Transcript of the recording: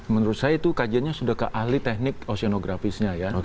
menurut saya itu kajiannya sudah ke ahli teknik oseanografisnya ya